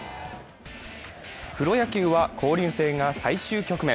プロ野球は交流戦が最終局面。